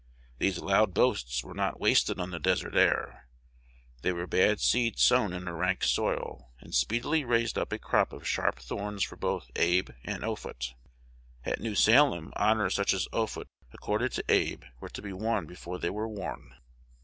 These loud boasts were not wasted on the desert air: they were bad seed sown in a rank soil, and speedily raised up a crop of sharp thorns for both Abe and Offutt. At New Salem, honors such as Offutt accorded to Abe were to be won before they were worn.